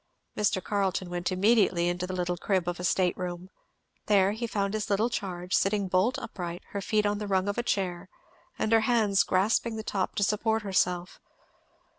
Mr. Carleton went immediately into the little crib of a state room. There he found his little charge, sitting bolt upright, her feet on the rung of a chair and her hands grasping the top to support herself.